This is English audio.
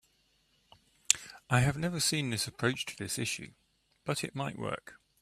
I have never seen this approach to this issue, but it might work.